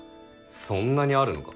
そんなにあるのか。